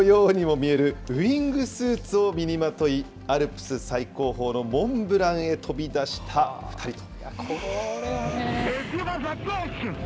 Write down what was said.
ムササビのようにも見えるウイングスーツを身にまとい、アルプス最高峰のモンブランへ飛び出した２人と。